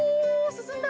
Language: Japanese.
進んだ。